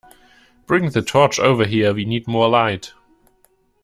Bring the torch over here; we need more light